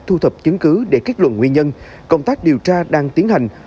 thu thập chứng cứ để kết luận nguyên nhân công tác điều tra đang tiến hành